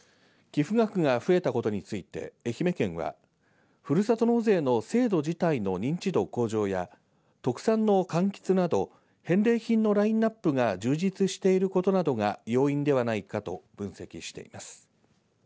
寄付額が増えたことについて愛媛県はふるさと納税の制度自体の認知度向上や特産のかんきつなど返礼品のラインナップが充実していることなどが要因ではないかと分析しています。